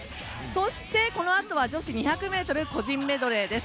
そして、このあとは女子２００ｍ個人メドレーです。